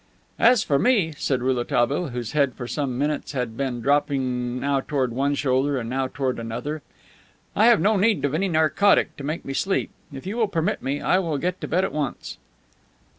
"As for me," said Rouletabille, whose head for some few minutes had been dropping now toward one shoulder and now toward another, "I have no need of any narcotic to make me sleep. If you will permit me, I will get to bed at once."